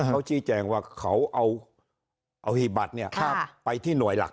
เขาชี้แจงว่าเขาเอาเอาให้บัตรเนี่ยไปที่หน่วยหลัก